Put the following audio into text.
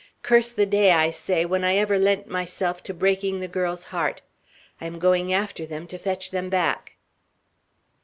Curse the day, I say, when I ever lent myself to breaking the girl's heart! I am going after them, to fetch them back!"